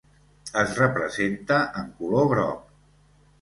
Es representa en color groc.